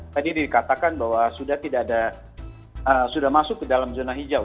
tadi dikatakan bahwa sudah masuk ke dalam zona hijau